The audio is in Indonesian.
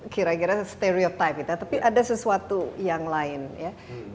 kira kira stereotype ya tapi ada sesuatu yang lain ya